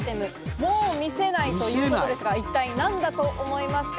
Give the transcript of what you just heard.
もう見せないということですが、一体何だと思いますか？